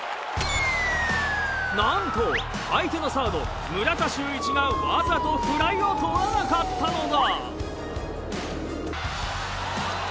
なんと相手のサード村田修一がわざとフライを取らなかったのだ。